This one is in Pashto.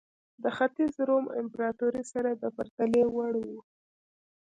د ختیځ روم امپراتورۍ سره د پرتلې وړ وه.